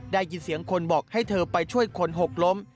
ได้ยินเสียงคนบอกให้เธอไปช่วยคนหกล้ม